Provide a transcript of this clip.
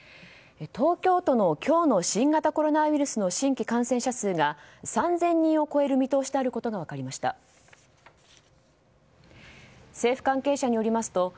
東京都の今日の新型コロナウイルスの新規感染者数が３０００人を超える見通しであることが分かりました。